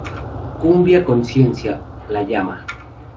Cumbia conciencia, la llama.